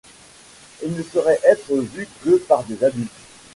Il ne saurait être vu que par des adultes.